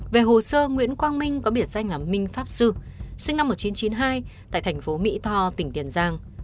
về hồ sơ nguyễn quang minh có biệt danh là minh pháp sư sinh năm một nghìn chín trăm chín mươi hai tại thành phố mỹ tho tỉnh tiền giang